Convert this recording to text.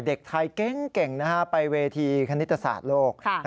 เด็กไทยเก่งไปเวทีคณิตศาสตร์โลก